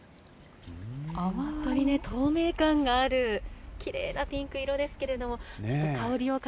本当にね、透明感がある、きれいなピンク色ですけれども。